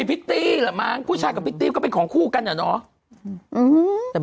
ผู้ชายกับผู้ชายก็มีของคู่กันเนอะเนาะ